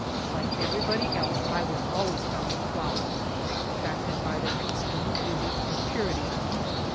Like everybody else I was always fond of flowers, attracted by their external beauty and purity.